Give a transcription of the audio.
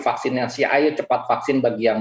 vaksinasi ayo cepat vaksin bagi yang